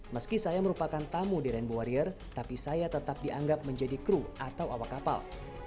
meski saya merupakan tamu di rainbow warrior tapi saya tetap dianggap menjadi kru atau awak kapal